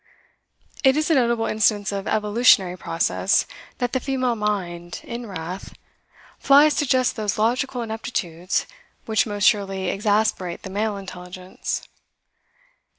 It is a notable instance of evolutionary process that the female mind, in wrath, flies to just those logical ineptitudes which most surely exasperate the male intelligence.